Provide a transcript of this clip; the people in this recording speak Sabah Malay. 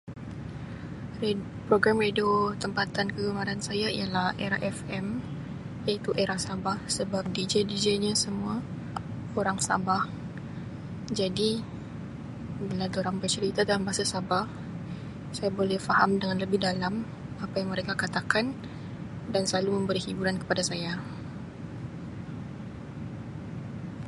Ra-program radio tempatan kegemaran saya ialah Era Fm iaitu Era Sabah sebab DJ-DJ dia semua orang Sabah jadi bila durang bercerita dalam bahasa Sabah saya boleh faham dengan lebih dalam apa yang mereka katakan dan selalu memberi hiburan kepada saya.